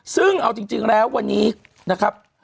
ซึ่งเอาจริงแล้ววันนี้นะครับ